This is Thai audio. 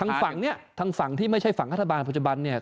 ทางฝั่งเนี่ยทางฝั่งที่ไม่ใช่ฝั่งรัฐบาลปัจจุบันเนี่ย